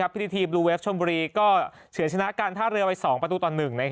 พิธีทีบลูเวฟชมบุรีเฉินชนะการท่าเรือไว้๒ประตูตอนหนึ่ง